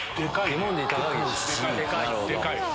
でかいし。